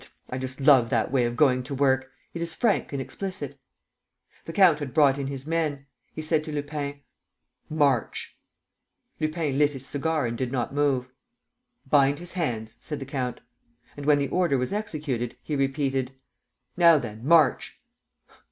I just love that way of going to work. It is frank and explicit." The count had brought in his men. He said to Lupin: "March!" Lupin lit his cigar and did not move. "Bind his hands," said the count. And, when the order was executed, he repeated: "Now then, march!"